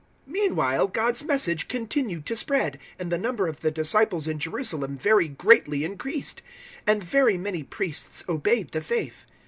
006:007 Meanwhile God's Message continued to spread, and the number of the disciples in Jerusalem very greatly increased, and very many priests obeyed the faith.